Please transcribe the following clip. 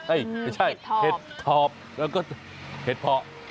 เอ้ยไม่ใช่เห็ดทอบแล้วก็เห็ดพอ